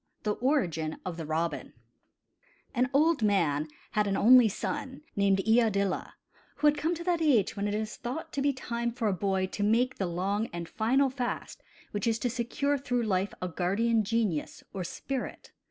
THE ORIGIN OF THE ROBIN |AN old man had an only son, named Iadilla, who had come to that age when it is thought to be time for a boy to make the long and final fast which is to secure through life a guardian genius or spirit.